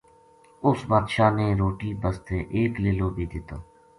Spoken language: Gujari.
اُس نے بادشاہ نا روٹی بسطے ایک لیلو بی دیتو